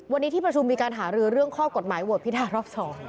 วันนี้ที่ประชุมมีการหารือเรื่องข้อกฎหมายโหวตพิทารอบ๒